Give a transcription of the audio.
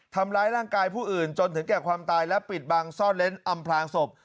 ทำร้ายร่างกายผู้อื่นจนถึงแก่ความตายและปิดบังซ่อนเล้นอำพลางศพ